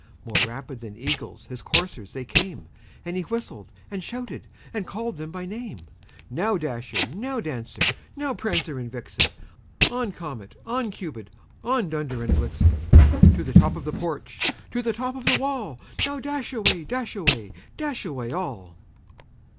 More rapid than eagles his coursers they came, And he whistled, and shouted, and called them by name; "Now, Dasher! now, Dancer! now, Prancer and Vixen! On! Comet, on! Cupid, on! Dunder and Blitzen To the top of the porch, to the top of the wall! Now, dash away, dash away, dash away all!"